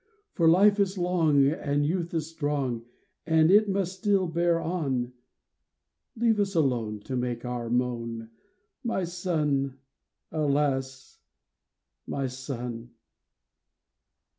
For life is long and youth is strong, And it must still bear on. Leave us alone to make our moan — My son ! alas, my son